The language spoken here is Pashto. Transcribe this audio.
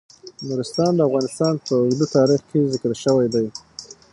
نورستان د افغانستان په اوږده تاریخ کې ذکر شوی دی.